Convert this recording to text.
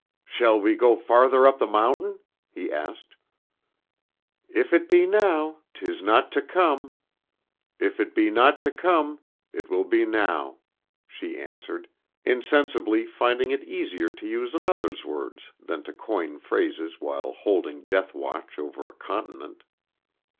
"Shall we go farther up the mountain?" he asked. "'If it be now, 'tis not to come; if it be not to come, it will be now,'" she answered, insensibly finding it easier to use another's words than to coin phrases while holding death watch over a continent.